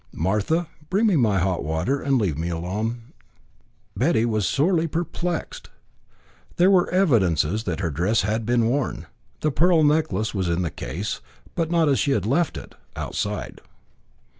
"Martha, bring me my hot water, and leave me alone." Betty was sorely perplexed. There were evidences that her dress had been worn. The pearl necklace was in the case, but not as she had left it outside.